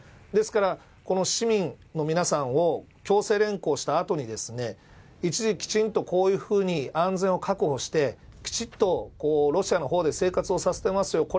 ですから、市民の皆さんを強制連行したあとに一時、きちんと安全を確保してきちっとロシアのほうで生活をさせていますよ